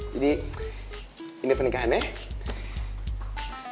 jadi ini pernikahannya